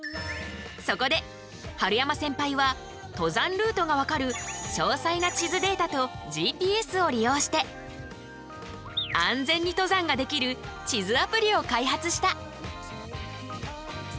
そこで春山センパイは登山ルートが分かる詳細な地図データとＧＰＳを利用して安全に登山ができる地図アプリを開発した。